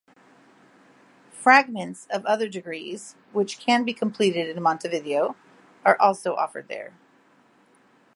Fragments of other degrees, which can be completed in Montevideo, are also offered there.